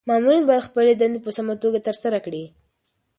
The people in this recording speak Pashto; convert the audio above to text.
مامورین باید خپلي دندي په سمه توګه ترسره کړي.